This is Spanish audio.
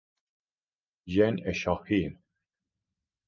Gen Shōji